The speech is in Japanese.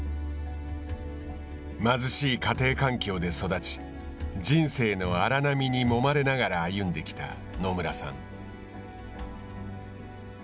貧しい家庭環境で育ち人生の荒波にもまれながら歩んできた野村さん。